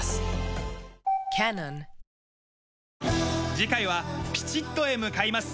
次回はピチットへ向かいます。